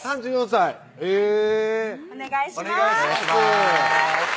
３４歳えぇお願いします